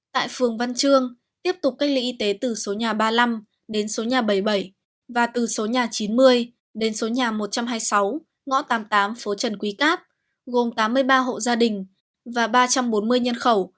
tại phường văn chương tiếp tục cách ly y tế từ số nhà ba mươi năm đến số nhà bảy mươi bảy và từ số nhà chín mươi đến số nhà một trăm hai mươi sáu ngõ tám mươi tám phố trần quý cáp gồm tám mươi ba hộ gia đình và ba trăm bốn mươi nhân khẩu